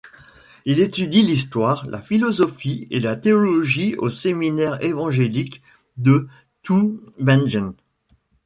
Il étudie l'histoire, la philosophie et la théologie au séminaire évangélique de Tübingen.